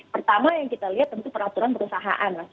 pertama yang kita lihat tentu peraturan perusahaan